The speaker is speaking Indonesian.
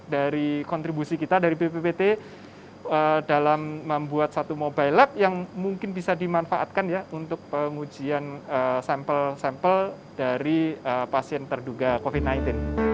dari kontribusi kita dari bppt dalam membuat satu mobile lab yang mungkin bisa dimanfaatkan ya untuk pengujian sampel sampel dari pasien terduga covid sembilan belas